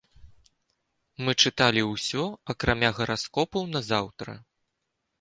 Мы чыталі ўсё акрамя гараскопаў на заўтра.